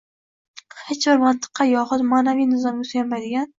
hech bir mantiqqa yoxud ma’naviy nizomga suyanmaydigan